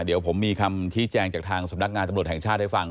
เดี๋ยวผมมีคำชี้แจงจากทางสำนักงานตำรวจแห่งชาติให้ฟัง